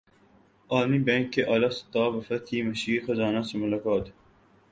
عالمی بینک کے اعلی سطحی وفد کی مشیر خزانہ سے ملاقات